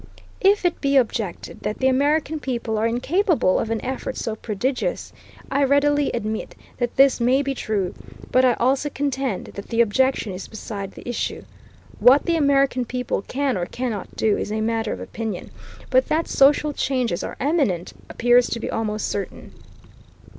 If it be objected that the American people are incapable of an effort so prodigious, I readily admit that this may be true, but I also contend that the objection is beside the issue. What the American people can or cannot do is a matter of opinion, but that social changes are imminent appears to be almost certain.